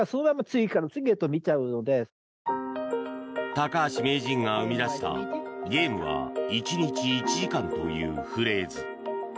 高橋名人が生み出した「ゲームは１日１時間」というフレーズ。